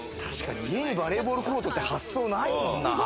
家にバレーボールコートって発想ないもんな。